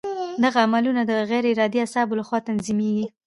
دغه عملونه د غیر ارادي اعصابو له خوا تنظیمېږي.